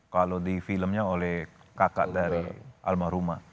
kalau di filmnya oleh kakak dari almarhumah